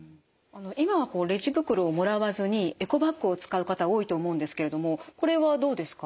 今はレジ袋をもらわずにエコバッグを使う方多いと思うんですけれどもこれはどうですか？